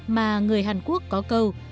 mà người hàn quốc có câu